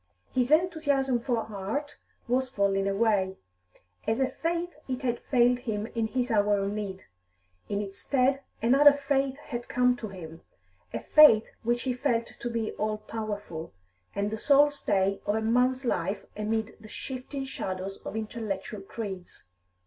His enthusiasm for art was falling away; as a faith it had failed him in his hour of need. In its stead another faith had come to him, a faith which he felt to be all powerful, and the sole stay of a man's life amid the shifting shadows of intellectual creeds.